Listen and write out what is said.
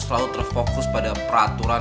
selalu terfokus pada peraturan